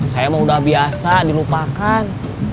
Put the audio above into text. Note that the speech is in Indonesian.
saya emang udah biasa dilupakan